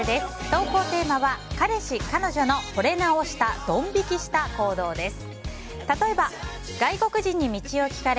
投稿テーマは、彼氏・彼女のほれ直した・ドン引きした行動です。